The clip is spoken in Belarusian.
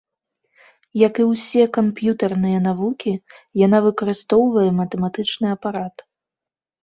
Як і ўсе камп'ютарныя навукі, яна выкарыстоўвае матэматычны апарат.